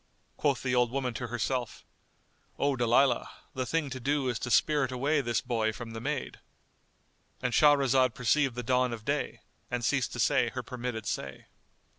Quoth the old woman to herself, "O Dalilah, the thing to do is to spirit away this boy from the maid,"——And Shahrazad perceived the dawn of day and ceased to say her permitted say.